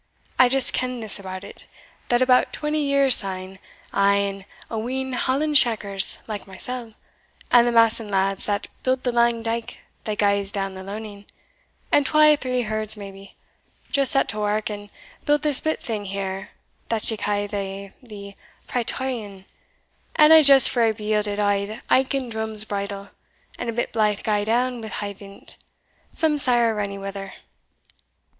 l just ken this about it, that about twenty years syne, I, and a wheen hallenshakers like mysell, and the mason lads that built the lang dike that gaes down the loaning, and twa or three herds maybe, just set to wark, and built this bit thing here that ye ca' the the Praetorian, and a' just for a bield at auld Aiken Drum's bridal, and a bit blithe gae down wi' had in't, some sair rainy weather.